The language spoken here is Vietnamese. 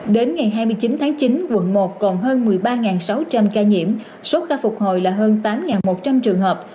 đến ngày hai mươi chín tháng chín quận một còn hơn một mươi ba sáu trăm linh ca nhiễm số ca phục hồi là hơn tám một trăm linh trường hợp